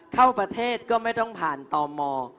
เข้าประเทศก็ไม่ต้องผ่านตม